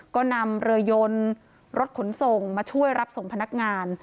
ก็นำเรือยนรถขนส่งมาช่วยรับส่งพนักงาน